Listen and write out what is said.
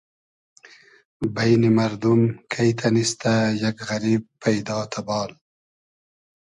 بݷنی مئردوم کݷ تئنیستۂ یئگ غئریب پݷدا تئبال